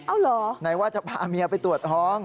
เอาเหรอไหนว่าจะพาเมียไปตรวจท้อง